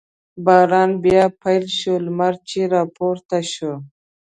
باران بیا پیل شو، لمر چې را پورته شو.